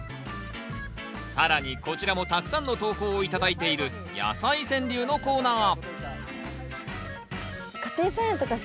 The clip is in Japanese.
更にこちらもたくさんの投稿を頂いている「やさい川柳」のコーナー！